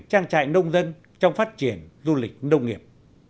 trang trại nông dân trong phát triển du lịch nông nghiệp